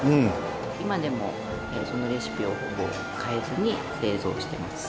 今でもそのレシピをほぼ変えずに製造してます。